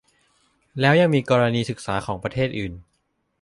แล้วยังมีกรณีศึกษาของประเทศอื่น